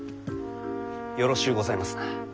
よろしゅうございますな。